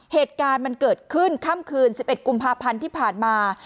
เหตุการณ์มันเกิดขึ้นค่ำคืน๑๑กุมภาพันธ์ที่ผ่านมา